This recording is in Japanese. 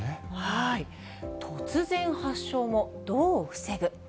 突然発症も、どう防ぐ。